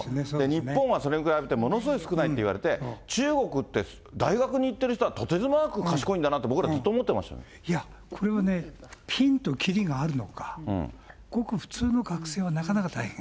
日本はそれに比べてものすごい少ないっていわれて、中国って大学に行ってる人はとてつもなく賢いんだなって、いや、これはね、ぴんときりがあるのか、ごく普通の学生はなかなか大変。